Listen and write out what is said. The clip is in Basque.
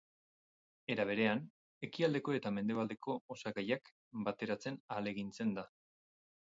Era berean, ekialdeko eta mendebaldeko osagaiak bateratzen ahalegintzen da.